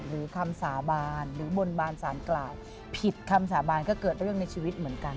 คำสาบานหรือบนบานสารกล่าวผิดคำสาบานก็เกิดเรื่องในชีวิตเหมือนกัน